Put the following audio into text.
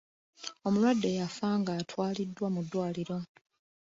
Omulwadde yafa nga atwaliddwa mu ddwaliro.